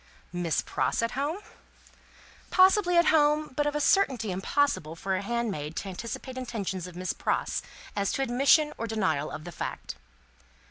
"Miss Pross at home?" Possibly at home, but of a certainty impossible for handmaid to anticipate intentions of Miss Pross, as to admission or denial of the fact.